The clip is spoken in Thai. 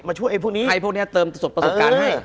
ช่วยไอ้พวกนี้ไอ้พวกนี้เติมประสบการณ์ให้